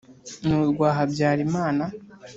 ni urwa habyarimana.